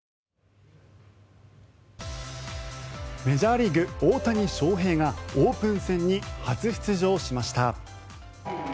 メジャーリーグ大谷翔平がオープン戦に初出場しました。